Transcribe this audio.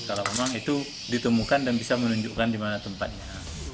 kalau memang itu ditemukan dan bisa menunjukkan di mana tempatnya